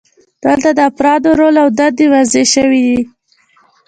دلته د افرادو رول او دندې واضحې شوې وي.